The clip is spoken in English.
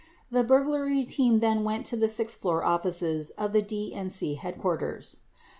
32 The burglary team then went to the sixth floor offices of the DNC head quarters.